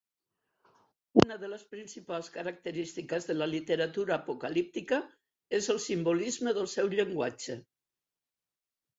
Una de les principals característiques de la literatura apocalíptica és el simbolisme del seu llenguatge.